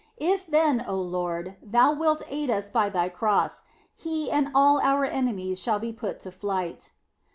If then, O Lord, thou wilt aid us by thy Cross, he and all our enemies shall be put to flight."